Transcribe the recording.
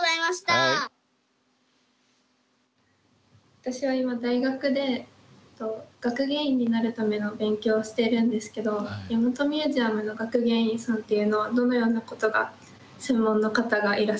私は今大学で学芸員になるための勉強をしてるんですけど大和ミュージアムの学芸員さんっていうのはどのようなことが専門の方がいらっしゃるんでしょうか？